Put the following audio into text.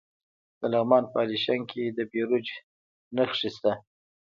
د لغمان په الیشنګ کې د بیروج نښې شته.